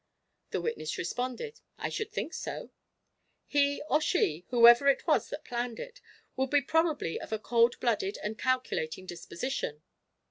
The witness responded: "I should think so." "He or she whoever it was that planned it would be probably of a cold blooded and calculating disposition?"